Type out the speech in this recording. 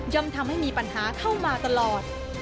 ทำให้มีปัญหาเข้ามาตลอด